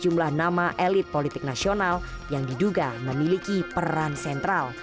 sejumlah nama elit politik nasional yang diduga memiliki peran sentral